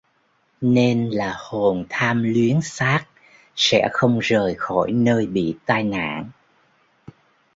nên là hồn tham luyến xác sẽ không rời khỏi nơi bị tai nạn